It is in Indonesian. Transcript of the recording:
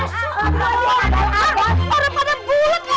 orang pada bulet loh